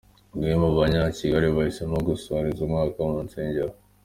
Bamwe mu Banyakigali bahisemo gusoreza umwaka mu nsengero